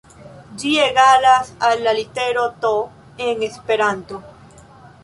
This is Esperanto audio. Ĝi egalas al la litero to en Esperanto.